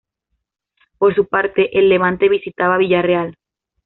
Por su parte el Levante visitaba Villarreal.